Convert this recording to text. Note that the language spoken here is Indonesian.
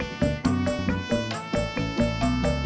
bapak bahan rapatnya ketinggalan